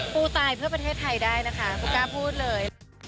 กูตายเพื่อประเทศไทยได้นะคะกูกล้าพูดเลย